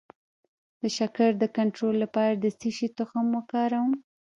د شکر د کنټرول لپاره د څه شي تخم وکاروم؟